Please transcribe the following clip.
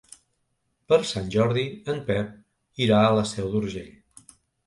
Per Sant Jordi en Pep irà a la Seu d'Urgell.